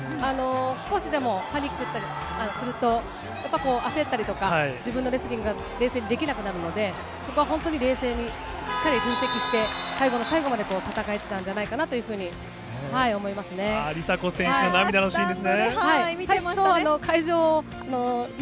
少しでもパニクッたりすると、やっぱり焦ったりとか、自分のレスリングが冷静にできなくなるので、そこは本当に冷静に、しっかり分析して、最後の最後まで戦えてたんじゃないかなというふうに梨紗子選手、涙のシーンです